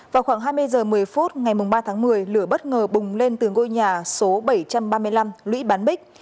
vào khoảng hai mươi h một mươi phút ngày ba tháng một mươi lửa bất ngờ bùng lên từ ngôi nhà số bảy trăm ba mươi năm lũy bán bích